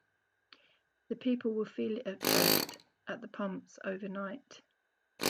People will feel it at first at the pumps overnight.